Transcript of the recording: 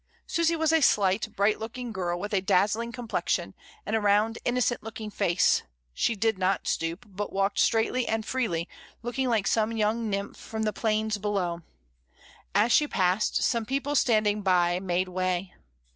Susy was a slight, bright looking girl, with a dazzling complexion, and a round innocent looking face; she did not stoop, but walked straightly and freely, looking like some young njnnph from the plains below; as she passed, some people standing by made way.